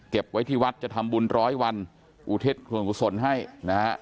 ไว้ที่วัดจะทำบุญร้อยวันอุทิศส่วนกุศลให้นะฮะ